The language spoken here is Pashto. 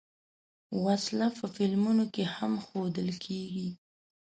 وسله په فلمونو کې هم ښودل کېږي